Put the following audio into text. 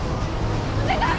お願い！